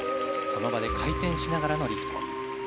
その場で回転しながらのリフト。